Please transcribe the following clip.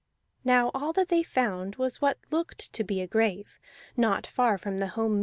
Now all that they found was what looked to be a grave, not far from the home mead.